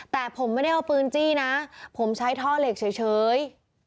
แต่ผมไม่ได้เอาปืนจี้นะผมใช้ท่อเหล็กเฉย